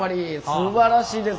すばらしいです。